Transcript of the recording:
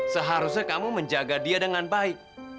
seharusnya kamu menjaga dia dengan baik